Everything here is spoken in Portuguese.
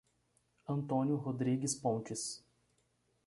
Antônio Rodrigues Pontes